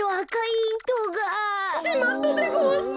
しまったでごわす！